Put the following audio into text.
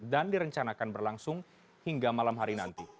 dan direncanakan berlangsung hingga malam hari nanti